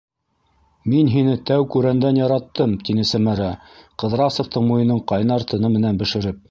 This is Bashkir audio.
Мин һине тәү күрәндән яраттым, - тине Сәмәрә Ҡыҙрасовтың муйынын ҡайнар тыны менән бешереп.